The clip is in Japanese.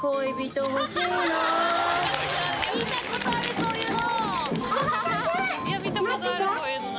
見たことあるこういうの。